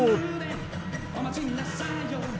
「お待ちなさいよ」